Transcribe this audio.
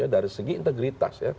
dari segi integritas